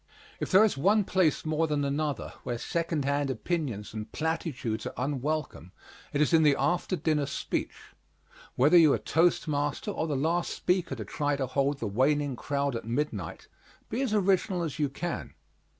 If there is one place more than another where second hand opinions and platitudes are unwelcome it is in the after dinner speech. Whether you are toast master or the last speaker to try to hold the waning crowd at midnight, be as original as you can.